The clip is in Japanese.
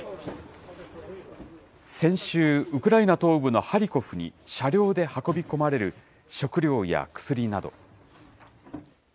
先週、ウクライナ東部のハリコフに車両で運び込まれる食料や薬など。